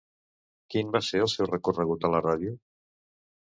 Quin va ser el seu recorregut a la ràdio?